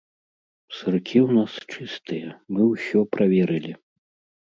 Сыркі ў нас чыстыя, мы ўсё праверылі.